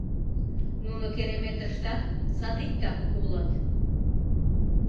Нуно кереметыштат садиктак улыт.